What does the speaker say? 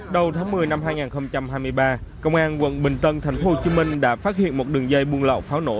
đầu tháng một mươi năm hai nghìn hai mươi ba công an quận bình tân thành phố hồ chí minh đã phát hiện một đường dây buôn lọ pháo nổ